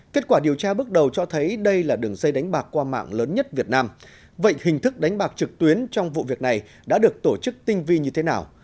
kết quả điều tra bước đầu cho thấy đây là đường dây đánh bạc qua mạng lớn nhất việt nam vậy hình thức đánh bạc trực tuyến trong vụ việc này đã được tổ chức tinh vi như thế nào